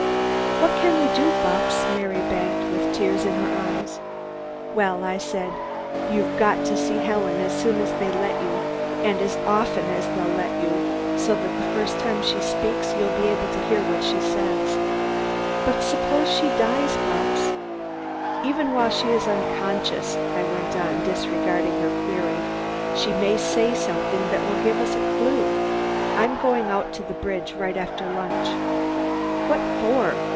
"What can we do, Bupps?" Mary begged with tears in her eyes. "Well," I said, "you've got to see Helen as soon as they will let you and as often as they'll let you, so that the first time she speaks, you'll be there to hear what she says." "But suppose she dies, Bupps?" "Even while she is unconscious," I went on, disregarding her query, "she may say something that will give us a clue. I'm going out to the bridge right after lunch." "What for?"